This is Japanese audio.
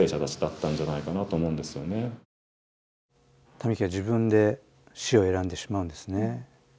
民喜は自分で死を選んでしまうんですね。